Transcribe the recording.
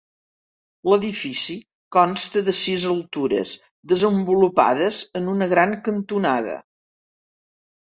L'edifici consta de sis altures desenvolupades en una gran cantonada.